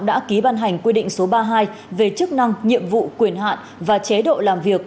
đã ký ban hành quy định số ba mươi hai về chức năng nhiệm vụ quyền hạn và chế độ làm việc